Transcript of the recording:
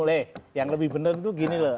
le yang lebih bener tuh gini loh